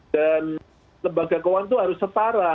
dan lembaga keuangan itu harus setara